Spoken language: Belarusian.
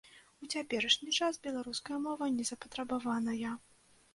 У цяперашні час беларуская мова незапатрабаваная.